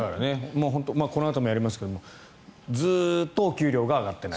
このあともやりますがずっとお給料が上がってない。